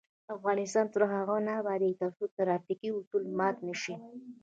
افغانستان تر هغو نه ابادیږي، ترڅو ترافیکي اصول مات نشي.